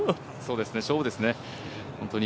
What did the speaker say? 勝負ですね。